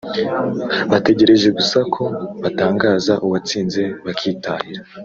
bategereje gusa ko batangaza uwatsinze bakitahira